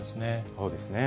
そうですね。